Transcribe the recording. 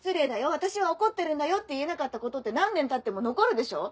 私は怒ってるんだよ」って言えなかったことって何年たっても残るでしょ。